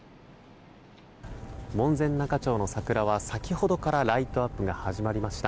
門前仲町の桜は先ほどからライトアップが始まりました。